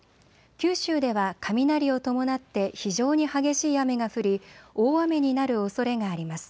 九州では雷を伴って非常に激しい雨が降り大雨になるおそれがあります。